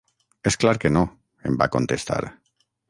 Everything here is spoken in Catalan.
És clar que no, em va contestar.